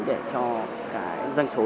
để cho cái doanh số